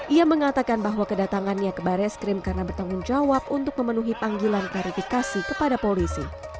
ia mengatakan bahwa kedatangannya ke baris krim karena bertanggung jawab untuk memenuhi panggilan klarifikasi kepada polisi